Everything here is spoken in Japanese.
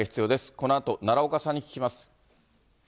このあと、奈良岡さんに聞きます。